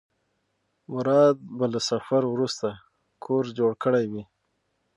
مراد به له سفر وروسته کور جوړ کړی وي.